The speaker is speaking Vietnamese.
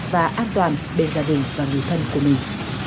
và an toàn bên gia đình và người thân của mình